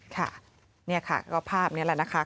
ค่ะนี่ค่ะก็ภาพนี้แหละนะคะ